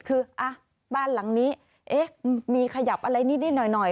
คือบ้านหลังนี้มีขยับอะไรนิดหน่อย